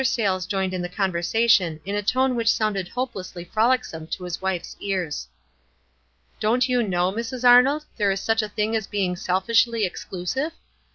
Sayles joined in the conversation in a tone which Bounded hopelessly frolicsome to his wife's ears* 168 WISE AND OTHERWISE. "Don't you know, Mrs. Arnold, there is such a thing as being selfishly exclusive?